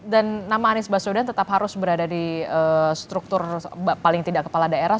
dan nama anies basudan tetap harus berada di struktur paling tidak kepala daerah